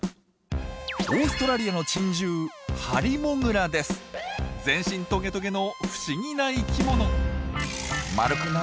オーストラリアの全身トゲトゲの不思議な生きもの。